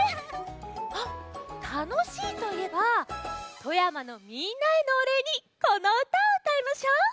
あったのしいといえば富山のみんなへのおれいにこのうたをうたいましょう！